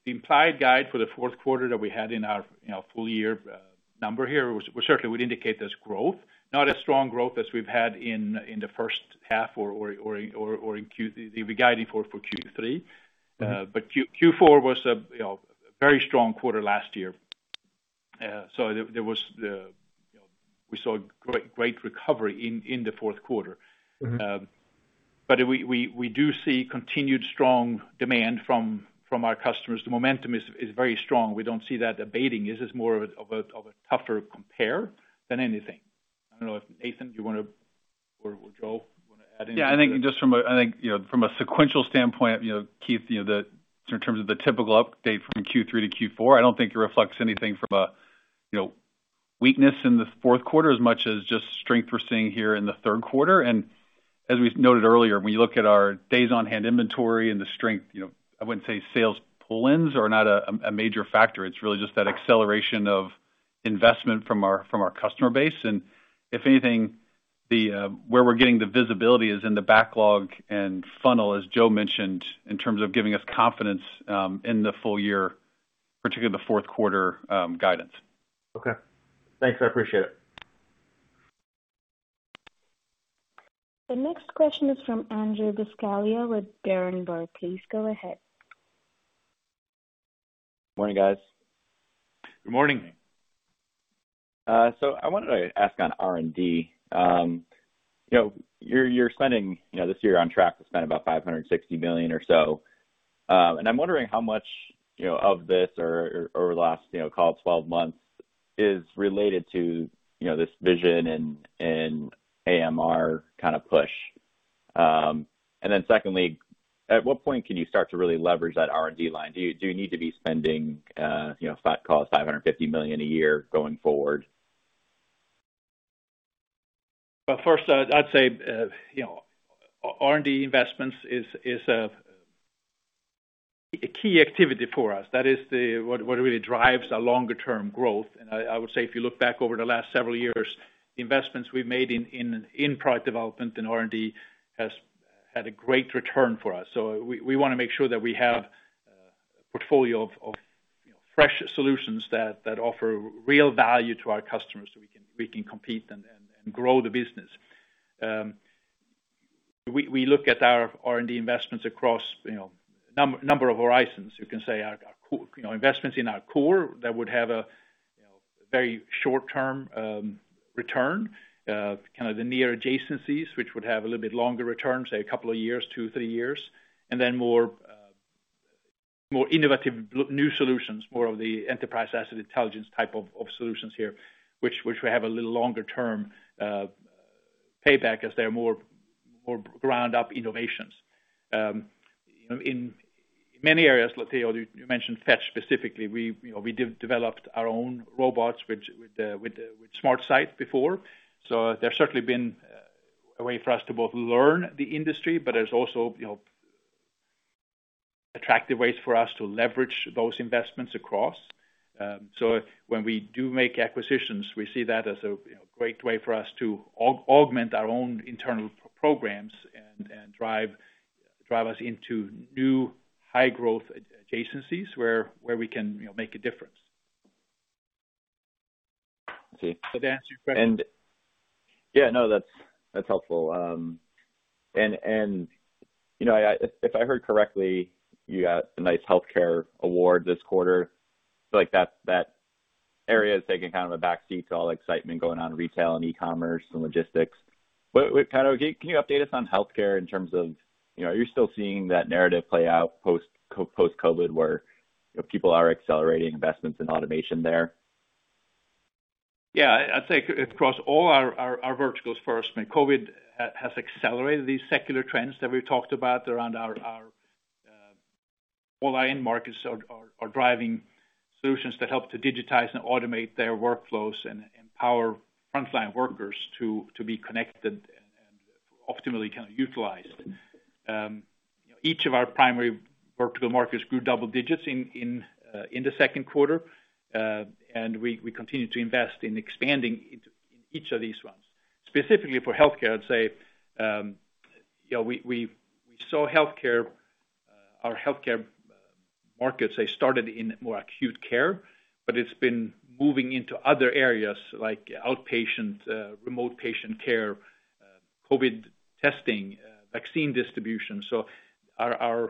implied guide for the fourth quarter that we had in our full year number here certainly would indicate there is growth. Not as strong growth as we have had in the first half or the guiding for Q3. Q4 was a very strong quarter last year. We saw a great recovery in the fourth quarter. We do see continued strong demand from our customers. The momentum is very strong. We don't see that abating. This is more of a tougher compare than anything. I don't know if, Nathan, you want to or Joe, you want to add anything? Yeah, I think just from a sequential standpoint, Keith, in terms of the typical update from Q3 to Q4, I don't think it reflects anything from a weakness in the fourth quarter as much as just strength we're seeing here in the third quarter. As we've noted earlier, when you look at our days on hand inventory and the strength, I wouldn't say sales pull-ins are not a major factor. It's really just that acceleration of investment from our customer base. If anything, where we're getting the visibility is in the backlog and funnel, as Joe mentioned, in terms of giving us confidence in the full year. Particularly the fourth quarter guidance. Okay. Thanks, I appreciate it. The next question is from Andrew Buscaglia with Berenberg. Please go ahead. Morning, guys. Good morning. I wanted to ask on R&D. You're spending this year on track to spend about $560 million or so, and I'm wondering how much of this or over the last call it 12 months is related to this vision and AMR kind of push. Secondly, at what point can you start to really leverage that R&D line? Do you need to be spending, call it $550 million a year going forward? First, I'd say, R&D investments is a key activity for us. That is what really drives our longer-term growth. I would say if you look back over the last several years, the investments we've made in product development and R&D has had a great return for us. We want to make sure that we have a portfolio of fresh solutions that offer real value to our customers so we can compete and grow the business. We look at our R&D investments across a number of horizons. You can say our investments in our core that would have a very short-term return, kind of the near adjacencies, which would have a little bit longer return, say, a couple of years, two, three years, and then more innovative new solutions, more of the Enterprise Asset Intelligence type of solutions here, which will have a little longer term payback as they're more ground-up innovations. In many areas, you mentioned Fetch specifically. We developed our own robots with SmartSight before. There has certainly been a way for us to both learn the industry, but there's also attractive ways for us to leverage those investments across. When we do make acquisitions, we see that as a great way for us to augment our own internal programs and drive us into new high growth adjacencies where we can make a difference. I see. Does that answer your question? Yeah, no, that's helpful. If I heard correctly, you got a nice healthcare award this quarter. Feel like that area is taking kind of a back seat to all the excitement going on in retail and e-commerce and logistics. Can you update us on healthcare in terms of, are you still seeing that narrative play out post-COVID where people are accelerating investments in automation there? I'd say across all our verticals first, COVID has accelerated these secular trends that we've talked about around our end markets are driving solutions that help to digitize and automate their workflows and empower frontline workers to be connected and optimally kind of utilized. Each of our primary vertical markets grew double-digits in the second quarter, we continue to invest in expanding into each of these ones. Specifically for healthcare, I'd say, we saw our healthcare markets, they started in more acute care, but it's been moving into other areas like outpatient, remote patient care, COVID testing, vaccine distribution. Our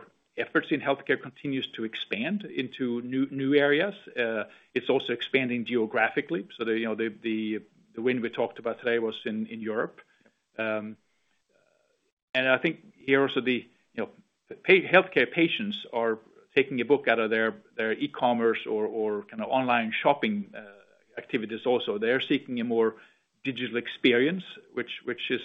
efforts in healthcare continues to expand into new areas. It's also expanding geographically. The win we talked about today was in Europe. I think here also the healthcare patients are taking a book out of their e-commerce or kind of online shopping activities also. They're seeking a more digital experience, which is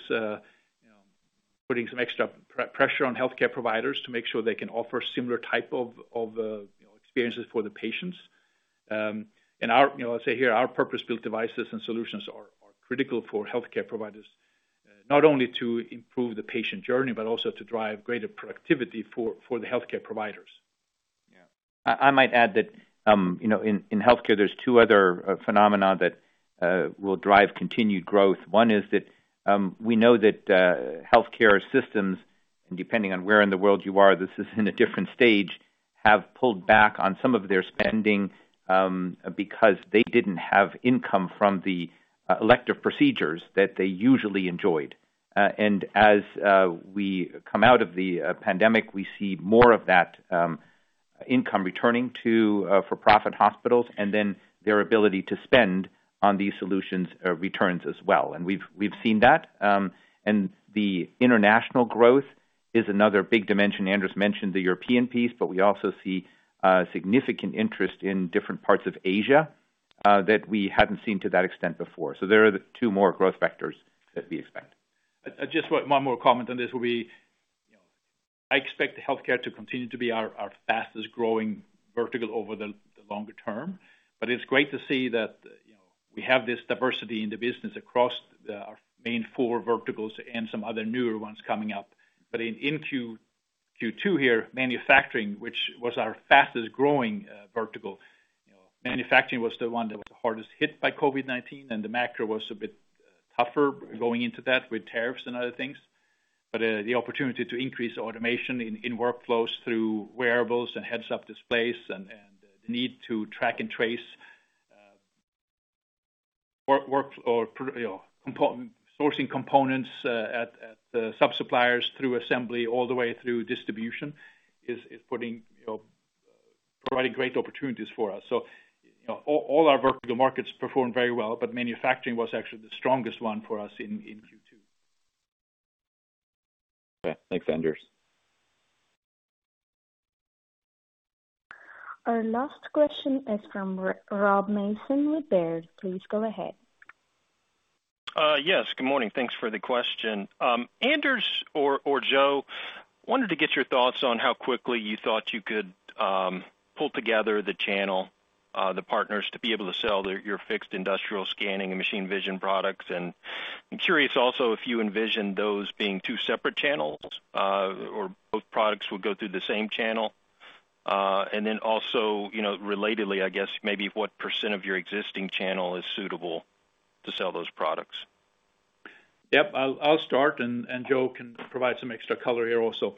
putting some extra pressure on healthcare providers to make sure they can offer similar type of experiences for the patients. I'll say here, our purpose-built devices and solutions are critical for healthcare providers, not only to improve the patient journey, but also to drive greater productivity for the healthcare providers. Yeah. I might add that in healthcare, there are two other phenomena that will drive continued growth. One is that we know that healthcare systems, and depending on where in the world you are, this is in a different stage, have pulled back on some of their spending because they didn't have income from the elective procedures that they usually enjoyed. As we come out of the pandemic, we see more of that income returning to for-profit hospitals, their ability to spend on these solutions returns as well. We've seen that, the international growth is another big dimension. Anders mentioned the European piece, we also see significant interest in different parts of Asia that we hadn't seen to that extent before. There are the two more growth factors that we expect. Just one more comment on this will be, I expect healthcare to continue to be our fastest-growing vertical over the longer term. It's great to see that we have this diversity in the business across our main four verticals and some other newer ones coming up. In Q2 here, manufacturing, which was our fastest-growing vertical, manufacturing was the one that was the hardest hit by COVID-19, and the macro was a bit tougher going into that with tariffs and other things. The opportunity to increase automation in workflows through wearables and heads-up displays and the need to track and trace work or sourcing components at sub-suppliers through assembly all the way through distribution is providing great opportunities for us. All our vertical markets performed very well, but manufacturing was actually the strongest one for us in Q2. Okay, thanks, Anders. Our last question is from Rob Mason with Baird. Please go ahead. Yes, good morning. Thanks for the question. Anders or Joe, wanted to get your thoughts on how quickly you thought you could pull together the channel, the partners, to be able to sell your fixed industrial scanning and machine vision products. I'm curious also if you envision those being two separate channels, or both products will go through the same channel? Also relatedly, I guess maybe what percent of your existing channel is suitable to sell those products? Yep. I'll start, and Joe can provide some extra color here also.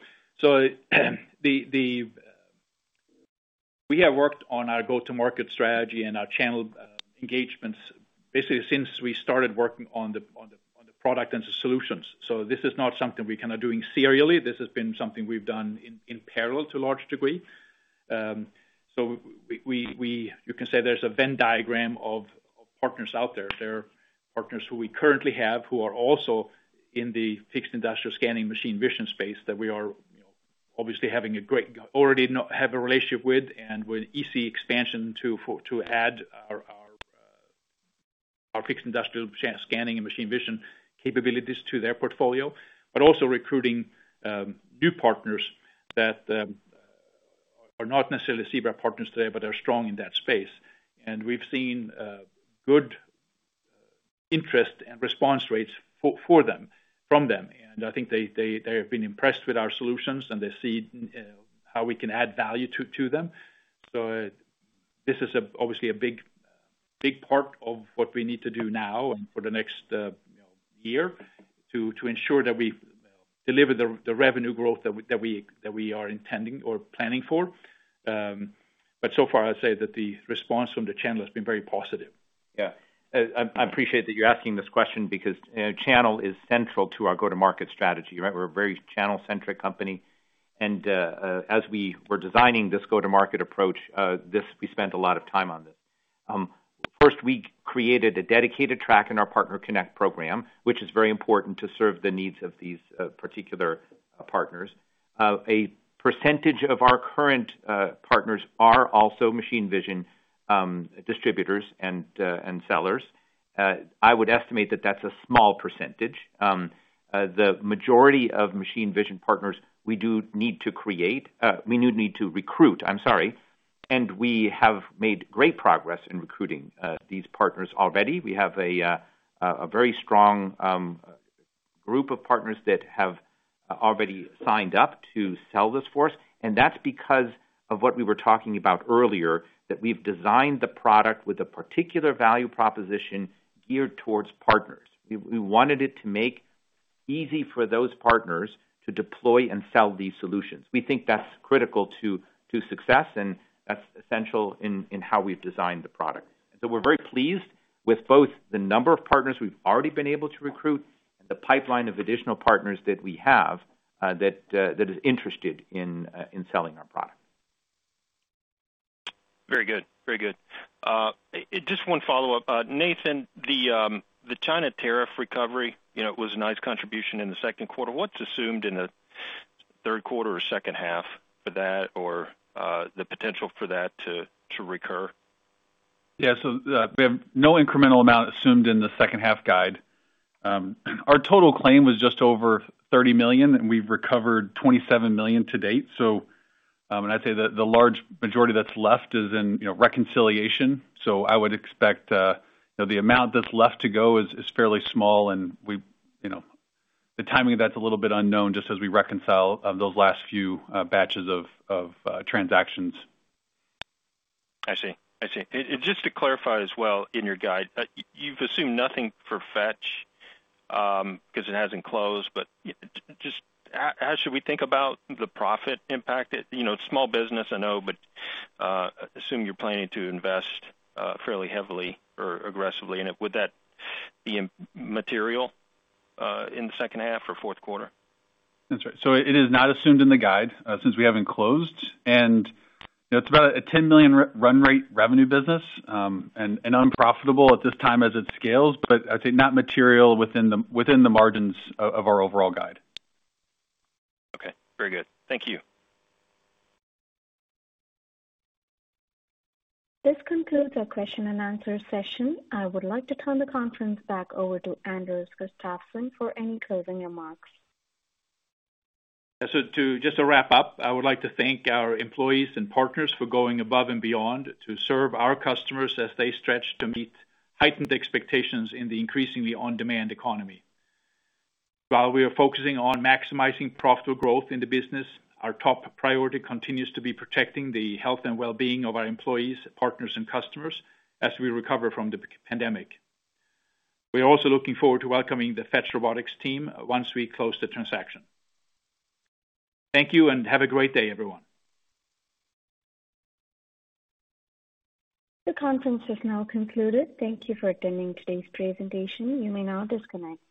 We have worked on our go-to-market strategy and our channel engagements basically since we started working on the product and the solutions. This is not something we're doing serially. This has been something we've done in parallel to a large degree. You can say there's a Venn diagram of partners out there. There are partners who we currently have, who are also in the fixed industrial scanning machine vision space that we are obviously already have a relationship with, and with easy expansion to add our fixed industrial scanning and machine vision capabilities to their portfolio. Also recruiting new partners that are not necessarily Zebra partners today, but are strong in that space. We've seen good interest and response rates from them. I think they have been impressed with our solutions, and they see how we can add value to them. This is obviously a big part of what we need to do now and for the next year to ensure that we deliver the revenue growth that we are intending or planning for. So far, I'd say that the response from the channel has been very positive. Yeah. I appreciate that you're asking this question because channel is central to our go-to-market strategy. We're a very channel-centric company, and as we were designing this go-to-market approach, we spent a lot of time on this. First, we created a dedicated track in our PartnerConnect programme, which is very important to serve the needs of these particular partners. A percentage of our current partners are also machine vision distributors and sellers. I would estimate that that's a small percentage. The majority of machine vision partners we do need to create, we do need to recruit, I'm sorry, and we have made great progress in recruiting these partners already. We have a very strong group of partners that have already signed up to sell this for us. That's because of what we were talking about earlier, that we've designed the product with a particular value proposition geared towards partners. We wanted it to make easy for those partners to deploy and sell these solutions. We think that's critical to success. That's essential in how we've designed the product. We're very pleased with both the number of partners we've already been able to recruit and the pipeline of additional partners that we have, that is interested in selling our product. Very good. Just one follow-up. Nathan, the China tariff recovery, it was a nice contribution in the second quarter. What's assumed in the third quarter or second half for that or the potential for that to recur? Yeah. We have no incremental amount assumed in the second half guide. Our total claim was just over $30 million, and we've recovered $27 million to date. I'd say that the large majority that's left is in reconciliation. I would expect the amount that's left to go is fairly small, and the timing of that's a little bit unknown just as we reconcile those last few batches of transactions. I see. Just to clarify as well, in your guide, you've assumed nothing for Fetch, because it hasn't closed. Just how should we think about the profit impact? It's small business, I know, but assume you're planning to invest fairly heavily or aggressively. Would that be material in the second half or fourth quarter? That's right. It is not assumed in the guide since we haven't closed, and it's about a $10 million run rate revenue business, and unprofitable at this time as it scales, but I'd say not material within the margins of our overall guide. Okay. Very good. Thank you. This concludes our question-and-answer session. I would like to turn the conference back over to Anders Gustafsson for any closing remarks. Just to wrap up, I would like to thank our employees and partners for going above and beyond to serve our customers as they stretch to meet heightened expectations in the increasingly on-demand economy. While we are focusing on maximizing profitable growth in the business, our top priority continues to be protecting the health and wellbeing of our employees, partners, and customers as we recover from the pandemic. We are also looking forward to welcoming the Fetch Robotics team once we close the transaction. Thank you, and have a great day, everyone. The conference is now concluded. Thank you for attending today's presentation. You may now disconnect.